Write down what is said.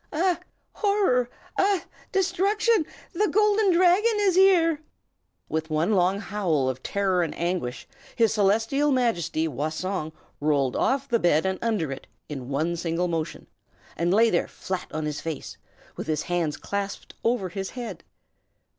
"Ah, horror! ah, destruction! the Golden Dragon is here!" With one long howl of terror and anguish, His Celestial Majesty Wah Song rolled off the bed and under it, in one single motion, and lay there flat on his face, with his hands clasped over his head.